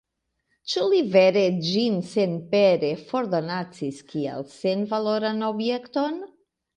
Ĉu li vere ĝin senpere fordonacis, kiel senvaloran objekton?